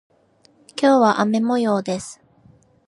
今日は雨模様です。